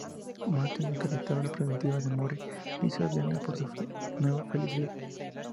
Matthews acreditaba a la prometida de Moore, Lisa Beane, por su nueva felicidad.